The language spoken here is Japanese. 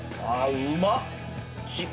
うまっ。